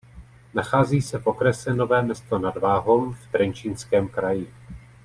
Nachází se v okrese Nové Mesto nad Váhom v Trenčínském kraji.